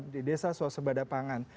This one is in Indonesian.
di desa sosok pendapatan pemerintahan